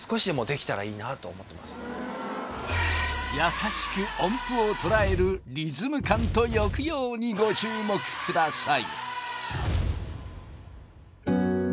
優しく音符を捉えるリズム感と抑揚にご注目ください